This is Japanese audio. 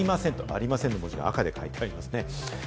「ありません」の文字が赤で書いてあります。